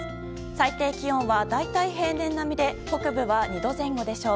最低気温は大体平年並みで北部は２度前後でしょう。